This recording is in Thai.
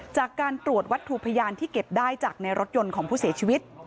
จากการตรวจวัตถุพยานที่เก็บได้จากในรถยนต์ของผู้เสียชีวิต